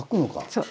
そう。